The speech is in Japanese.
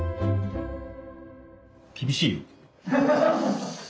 厳しいよ。